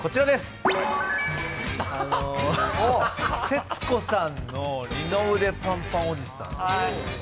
せつこさんの二の腕パンパンおじさん